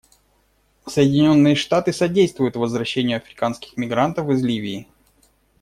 Соединенные Штаты содействуют возвращению африканских мигрантов из Ливии.